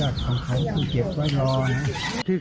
มันขึ้นอยู่กับชาติของไทยเป็นเหมือนตลิ้ง